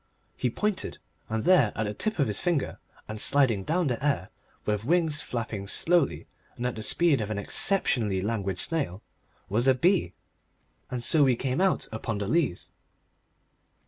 He pointed, and there at the tip of his finger and sliding down the air with wings flapping slowly and at the speed of an exceptionally languid snail was a bee. And so we came out upon the Leas.